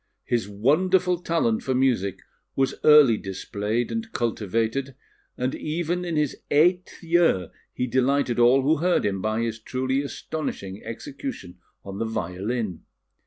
His wonderful talent for music was early displayed and cultivated, and even in his eighth year he delighted all who heard him by his truly astonishing execution on the violin.